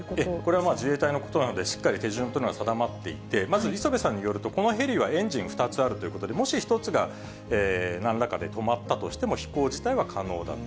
これは自衛隊のことなので、しっかり手順というのは定まっていて、まず磯部さんによると、このヘリはエンジン２つあるということで、もし１つがなんらかで止まったとしても飛行自体は可能だと。